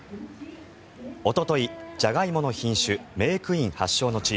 おととい、ジャガイモの品種メークイン発祥の地